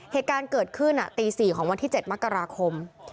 เหตุการณ์เกิดขึ้นตี๔ของวันที่๗มกราคม